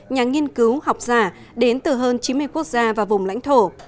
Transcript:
nhà nghiên cứu học giả đến từ hơn chín mươi quốc gia và vùng lãnh thổ